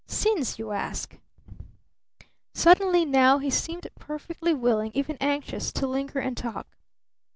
Sins, you ask?" Suddenly now he seemed perfectly willing, even anxious, to linger and talk.